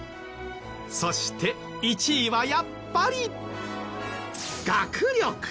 そして１位はやっぱり学力。